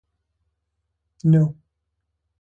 د قېمتي ډبرې خدای یې باله او نوم یې په جلا برخه لیکل شوی